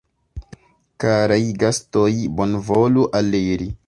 Karaj gastoj, bonvolu aliri!